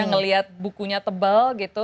ngelihat bukunya tebal gitu